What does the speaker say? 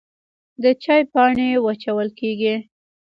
د چای پاڼې وچول کیږي